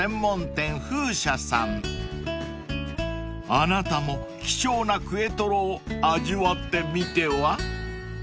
［あなたも貴重なくえトロを味わってみては］